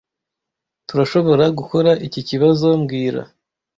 Turashoboragukora iki kibazo mbwira